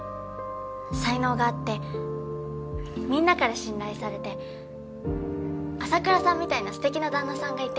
才能があってみんなから信頼されて麻倉さんみたいな素敵な旦那さんがいて。